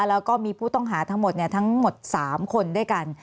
แล้วก็มีผู้ต้องหาทั้งหมด๓คนด้วยกัน